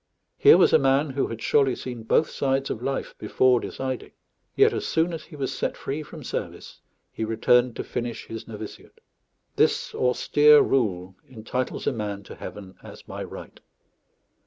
Here was a man who had surely seen both sides of life before deciding; yet as soon as he was set free from service he returned to finish his novitiate. This austere rule entitles a man to heaven as by right.